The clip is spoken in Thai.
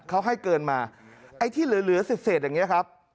เขาให้เกินมาไอ้ที่เหลือเศษอย่างนี้ครับ